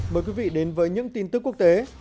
mời quý vị đến với những tin tức quốc tế